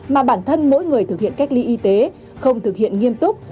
mà bản thân mỗi người thực hiện cách ly y tế không thực hiện nghiêm túc